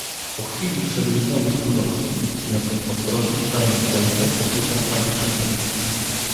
"Po chwili wszedł znowu służący, niosąc ostrożnie szarą butelkę, pokrytą pajęczyną."